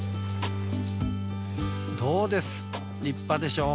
どうです立派でしょ。